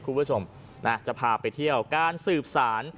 คุณผู้ชมนะจะพาไปเที่ยวการสืบสาร